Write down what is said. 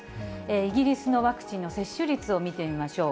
イギリスのワクチンの接種率を見てみましょう。